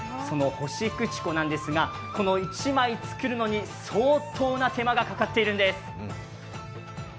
干くちこなんですが１枚作るのに相当な手間がかかってるんです。